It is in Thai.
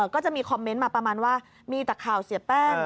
ก็จะมีคอมเมนต์มาประมาณว่ามีแต่ข่าวเสียแป้ง